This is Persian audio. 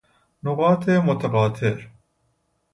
نقاط متقاطر